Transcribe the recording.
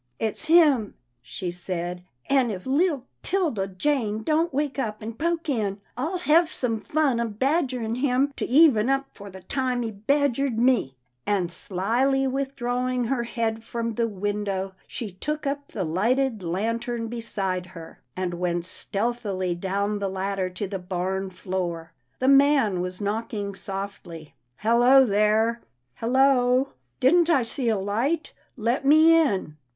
" It's him," she said, " and if leetle 'Tilda Jane don't wake up and poke in, I'll hev some fun a badgerin' him, to even up for the time he badgered me," and slyly withdrawing her head from the window, she took up the lighted lantern beside her, PERLETTA PUZZLES HER FRIENDS 281 and went stealthily down the ladder to the barn floor. The man was knocking softly, Hello there ! hello! — didn't I see a light? Let me in."